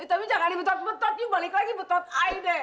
eh tapi jangan lagi betot betot balik lagi betot ayu deh